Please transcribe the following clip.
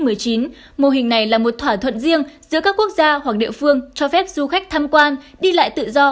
mô hình này là một thỏa thuận riêng giữa các quốc gia hoặc địa phương cho phép du khách tham quan đi lại tự do